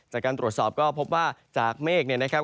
จากการตรวจสอบก็พบว่าจากเมฆเนี่ยนะครับ